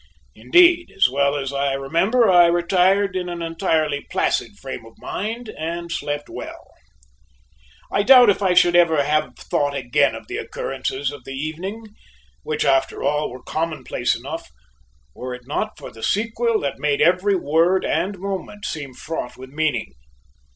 Indeed, as well as I remember, I retired in an entirely placid frame of mind, and slept well. I doubt if I should ever have thought again of the occurrences of the evening, which after all were commonplace enough, were it not for the sequel that made every word and moment seem fraught with meaning.